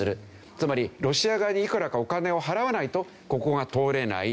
つまりロシア側にいくらかお金を払わないとここが通れない。